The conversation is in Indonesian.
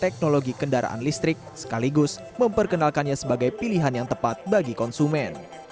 teknologi kendaraan listrik sekaligus memperkenalkannya sebagai pilihan yang tepat bagi konsumen